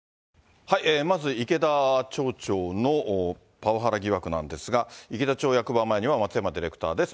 まず、池田町長のパワハラ疑惑なんですが、池田町役場前には、松山ディレクターです。